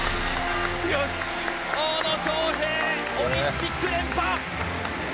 大野将平オリンピック連覇！